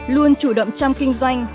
luôn chủ động trong kinh doanh